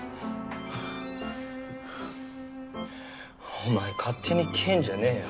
お前勝手に消えんじゃねえよ。